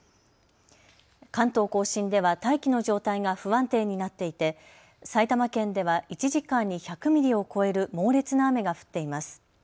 関東甲信では大気の状態が不安定になっていて埼玉県では１時間に１００ミリを超える猛烈な雨が降っています。